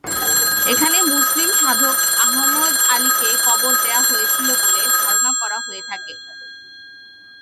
এখানে মুসলিম সাধক আহমদ আলীকে কবর দেওয়া হয়েছিল বলে ধারণা করা হয়ে থাকে।